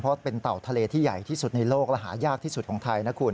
เพราะเป็นเต่าทะเลที่ใหญ่ที่สุดในโลกและหายากที่สุดของไทยนะคุณ